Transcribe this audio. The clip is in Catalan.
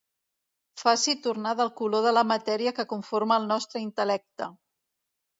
Faci tornar del color de la matèria que conforma el nostre intel·lecte.